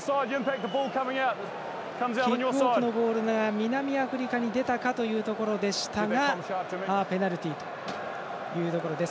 キックオフのボールが南アフリカに出たかというところでしたがペナルティというところです。